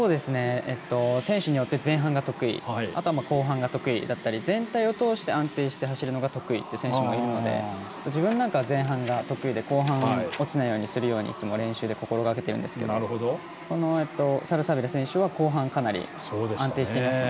選手によって前半が得意あとは後半が得意だったり全体を通して安定して走るのが得意という選手もいて自分なんかは前半が得意で後半落ちないようにするようにいつも練習で心がけてるんですがサルサビラ選手は後半かなり安定していますね。